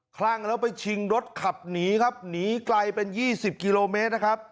คลั่งแล้วไปชิงรถขับหนีครับหนีไกลเป็น๒๐กิโลเมตรนะครับ